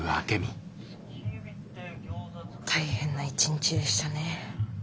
大変な一日でしたね。